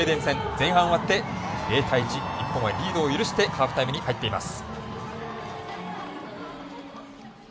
前半終わって、０対１日本はリードを許してハーフタイムに入っています。